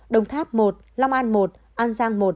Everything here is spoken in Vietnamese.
đồng tháp một long an một an giang một